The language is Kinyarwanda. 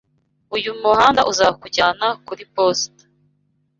Uyu muhanda uzakujyana kuri posita.